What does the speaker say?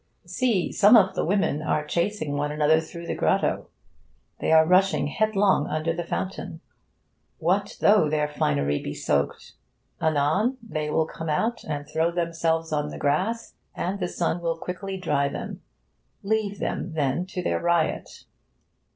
See! Some of the women are chasing one another through the grotto. They are rushing headlong under the fountain. What though their finery be soaked? Anon they will come out and throw themselves on the grass, and the sun will quickly dry them. Leave them, then, to their riot.